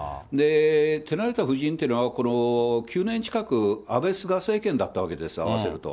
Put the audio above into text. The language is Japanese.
手慣れた布陣というのは、この９年近く、安倍・菅政権だったわけですよ、合わせると。